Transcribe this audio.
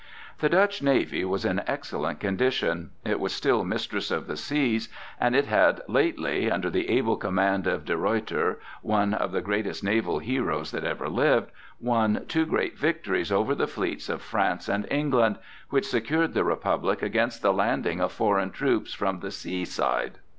The Dutch navy was in excellent condition. It was still mistress of the seas, and it had lately, under the able command of De Ruyter one of the greatest naval heroes that ever lived, won two great victories over the fleets of France and England, which secured the Republic against the landing of foreign troops from the sea side.